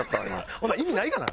ほんなら意味ないがな。